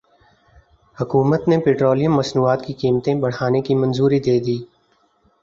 حکومت نے پیٹرولیم مصنوعات کی قیمتیں بڑھانے کی منظوری دے دی